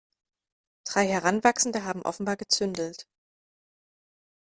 Drei Heranwachsende haben offenbar gezündelt.